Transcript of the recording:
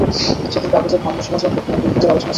সেদিন কাগজে ব্রাহ্মসমাজের বর্তমান দুর্গতির আলোচনা ছিল।